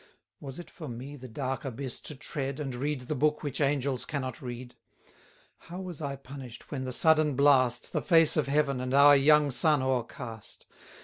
Was it for me the dark abyss to tread, And read the book which angels cannot read? How was I punish'd, when the sudden blast, The face of heaven, and our young sun o'ercast!